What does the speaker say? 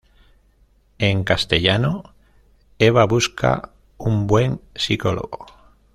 En castellano: "Eva busca un buen psicólogo.